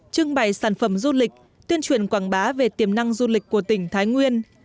trưng bày sản phẩm du lịch tuyên truyền quảng bá về tiềm năng du lịch của tỉnh thái nguyên